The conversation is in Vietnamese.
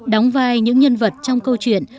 đóng vai những nhân vật trong câu chuyện